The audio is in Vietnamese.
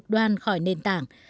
đoan khỏi nền tảng